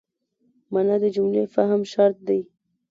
مانا د جملې مهم شرط دئ.